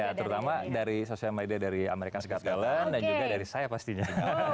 ya terutama dari sosial media dari american gods talent dan juga dari saya pastinya